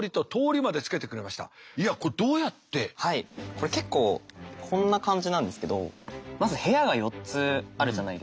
これ結構こんな感じなんですけどまず部屋が４つあるじゃないですか。